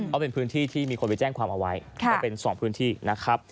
เพราะเป็นพื้นที่ที่มีคนไปแจ้งความเอาไว้ก็เป็น๒พื้นที่นะครับ